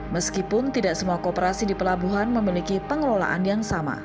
meskipun tidak semua kooperasi di pelabuhan memiliki pengelolaan